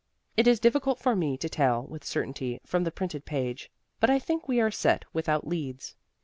It is difficult for me to tell with certainty from the printed page, but I think we are set without leads.